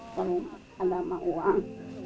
kalau ada mah uang